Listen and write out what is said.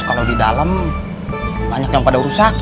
kalau di dalam banyak yang pada rusak